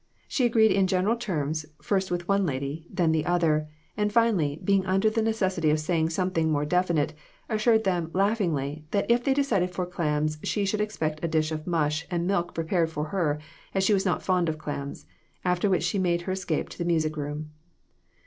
She agreed in general terms with first one lady, then the other ; and finally, being under the necessity of saying some thing more definite, assured them laughingly that if they decided for clams, she should expect a dish of mush and milk prepared for her, as she was not fond of clams, after which she made her escape to the music room.